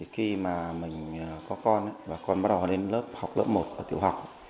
khi mà mình có con và con bắt đầu học lớp một ở tiểu học